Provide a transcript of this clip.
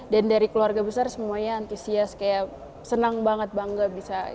dan dari keluarga besar semuanya antusias kayak senang banget bangga bisa